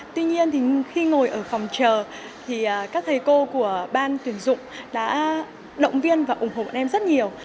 tuy nhiên khi ngồi ở phòng chờ thì các thầy cô của ban tuyển dụng đã động viên và ủng hộ em rất nhiều